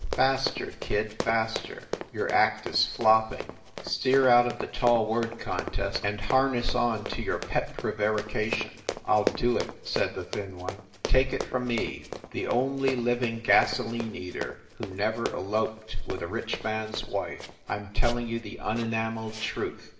"Faster, kid, faster! Your act is flopping! Steer out of the tall word contest, and harness on to your pet prevarication." "I ll do it," said the thin one. "Take it from me, the only living gasoline eater who never eloped with a rich man s wife, I m telling you the unenameled truth.